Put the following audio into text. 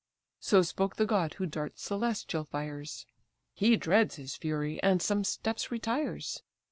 So spoke the god who darts celestial fires: He dreads his fury, and some steps retires.